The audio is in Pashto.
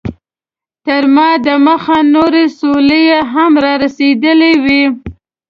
تر ما دمخه نورې سورلۍ هم رارسېدلې وې.